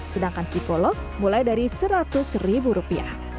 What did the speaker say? sedangkan psikolog mulai dari rp seratus